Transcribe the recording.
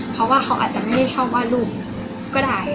เพราะว่าเขาไม่ได้ชอบว่ารุ่มก็ดี